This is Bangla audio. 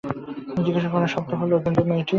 জিজ্ঞাসা করিল, সব তো হল, কিন্তু মেয়েটি?